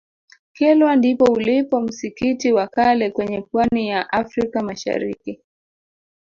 kilwa ndipo ulipo msikiti wa kale kwenye pwani ya africa mashariki